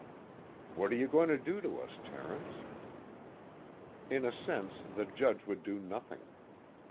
What are you going to do to us, Terence? In a sense, the Judge would do nothing.